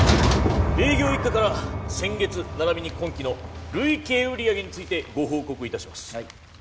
営業一課から先月ならびに今期の累計売り上げについてご報告いたします